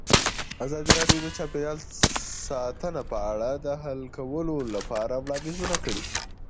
ازادي راډیو د چاپیریال ساتنه په اړه د حل کولو لپاره وړاندیزونه کړي.